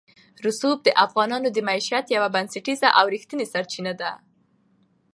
رسوب د افغانانو د معیشت یوه بنسټیزه او رښتینې سرچینه ده.